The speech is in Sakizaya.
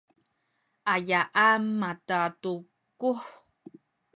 ayaan makatukuh?